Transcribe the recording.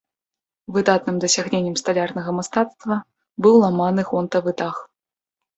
Выдатным дасягненнем сталярнага мастацтва быў ламаны гонтавы дах.